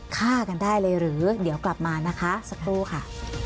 ฆ่ากันได้เลยหรือเดี๋ยวกลับมานะคะสักครู่ค่ะ